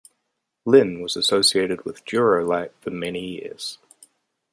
Lynn was associated with Dur-O-Lite for many years.